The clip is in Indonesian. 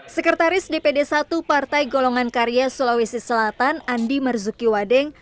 sekretaris dpd satu partai golongan karya sulawesi selatan andi marzuki wadeng